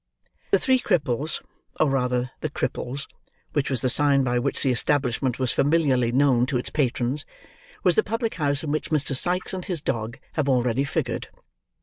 The Three Cripples, or rather the Cripples; which was the sign by which the establishment was familiarly known to its patrons: was the public house in which Mr. Sikes and his dog have already figured.